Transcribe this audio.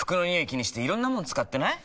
気にしていろんなもの使ってない？